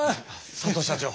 佐藤社長！